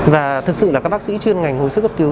và thực sự là các bác sĩ chuyên ngành hồi sức cấp cứu